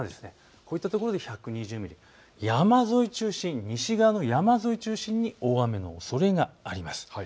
こういったところで１２０ミリ、西側の山沿いを中心に大雨のおそれがあります。